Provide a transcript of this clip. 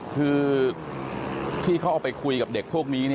คือที่เขาเอาไปคุยกับเด็กพวกนี้